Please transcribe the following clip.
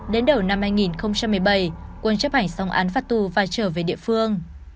đến đầu năm hai nghìn một mươi bảy quân chấp hành xong án phạt tù và trở về địa phương